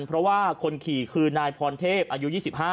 เพราะว่าคนขี่คือนายพรเทพอายุ๒๕